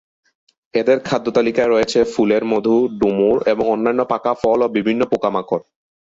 এদের খাদ্যতালিকায় রয়েছে ফুলের মধু, ডুমুর এবং অন্যান্য পাকা ফল ও বিভিন্ন পোকামাকড়।